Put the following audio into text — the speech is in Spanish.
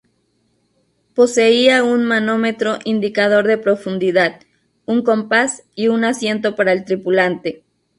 Poseía un manómetro indicador de profundidad, un compás, y un asiento para el tripulante.